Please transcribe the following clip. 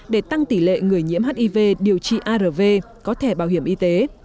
để tăng tỷ lệ người nhiễm hiv điều trị arv có thẻ bảo hiểm y tế